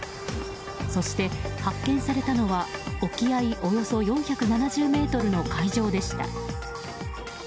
そして発見されたのは沖合およそ４７０ｍの海上でした。